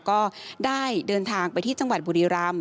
ก็ได้เดินทางไปที่จังหวัดบุรีรำ